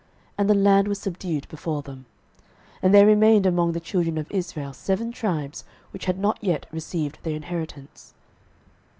And the land was subdued before them. 06:018:002 And there remained among the children of Israel seven tribes, which had not yet received their inheritance.